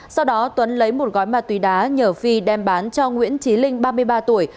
sau đó tuấn lấy một gói ma túy đá nhờ phi đem bán cho nguyễn trí linh ba mươi ba tuổi